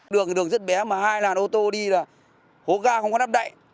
đường rất bé mà hai làn ô tô đi là hố ga không có nắp đậy